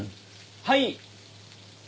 はい。